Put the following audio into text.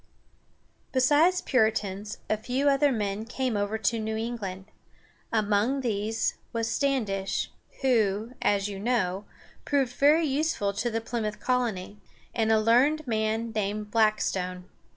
Besides Puritans, a few other men came over to New England. Among these was Standish, who, as you know, proved very useful to the Plymouth colony, and a learned man named Black´stone.